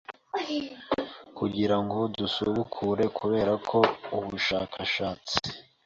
Kugira ngo dusubukure kubera ko ubushakashatsi